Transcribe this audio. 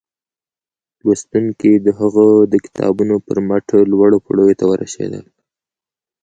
لوستونکي د هغه د کتابونو پر مټ لوړو پوړيو ته ورسېدل